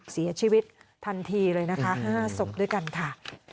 เสียชีวิตทันทีเลยนะคะ๕ศพด้วยกันค่ะ